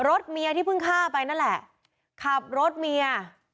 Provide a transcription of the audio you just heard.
รถเมียที่เพิ่งฆ่าไปนั่นแหละขับรถเมีย